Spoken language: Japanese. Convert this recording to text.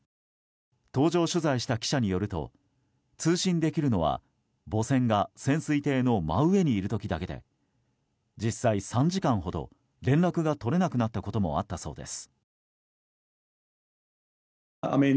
搭乗取材した記者によると通信できるのは母船が潜水艇の真上にいる時だけで実際、３時間ほど連絡が取れなくなったこともあったそうです。